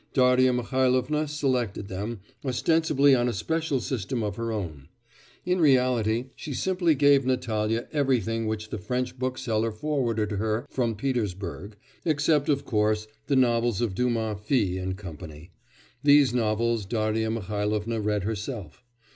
Darya Mihailovna selected them, ostensibly on a special system of her own. In reality she simply gave Natalya everything which the French bookseller forwarded her from Petersburg, except, of course, the novels of Dumas Fils and Co. These novels Darya Mihailovna read herself.